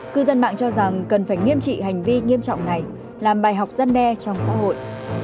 cư dân mạng cho rằng cần phải nghiêm trị hành vi nghiêm trọng này làm bài học dân đe trong xã hội